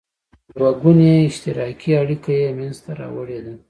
دوه ګوني اشتراکي اړیکه یې مینځته راوړې ده.